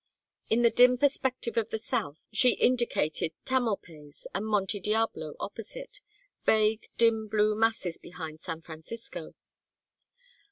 In the dim perspective of the south she indicated Tamalpais and Monte Diablo opposite, vague dim blue masses behind San Francisco.